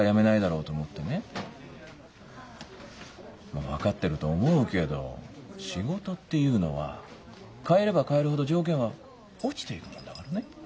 まっ分かってると思うけど仕事っていうのは変えれば変えるほど条件は落ちていくもんだからね。